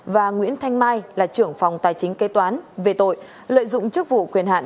và nguyễn thanh mai là trưởng phòng tài chính kế toán về tội lợi dụng chức vụ quyền hạn